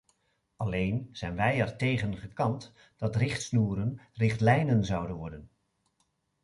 Alleen zijn wij ertegen gekant dat richtsnoeren richtlijnen zouden worden.